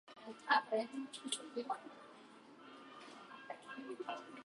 質問です、話す貢献は利用できないのでしょうか？